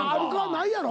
ないやろ？